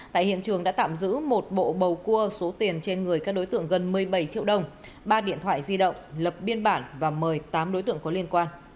tại hiện trường đã tạm giữ một bộ bầu cua số tiền trên người các đối tượng gần một mươi bảy triệu đồng ba điện thoại di động lập biên bản và mời tám đối tượng có liên quan